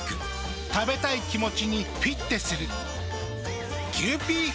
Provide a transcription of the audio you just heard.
食べたい気持ちにフィッテする。